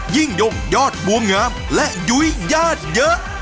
ยิ่งยงยอดบัวงามและยุ้ยญาติเยอะ